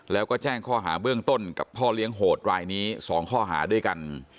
แล้วก็แจ้งข้อหาเบื้องต้นกับพ่อเลี้ยงโหดรายนี้๒ข้อหาด้วยกัน